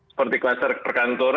seperti kluster perkantoran